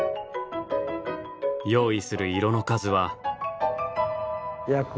用意する色の数は。